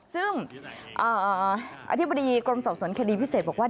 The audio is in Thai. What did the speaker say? ซึ่งอธิบดีกรมสอบสวนคดีพิเศษบอกว่า